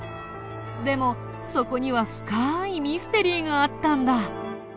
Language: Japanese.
でもそこには深いミステリーがあったんだ。